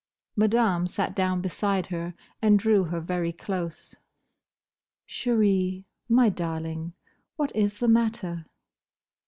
Madame sat down beside her and drew her very close. "Chérie—my darling! What is the matter?"